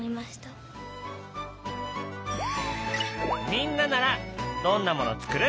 みんなならどんなもの作る？